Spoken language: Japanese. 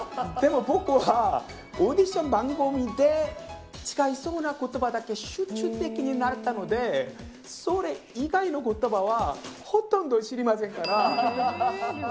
でも僕は、オーディション番組で使いそうなことばだけ集中的に習ったので、それ以外のことばはほとんど知りませんから。